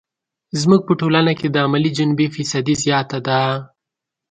زموږ په ټولنه کې یې د عملي جنبې فیصدي زیاته ده.